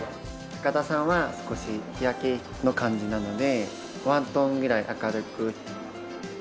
高田さんは少し日焼けの感じなのでワントーンぐらい明るく。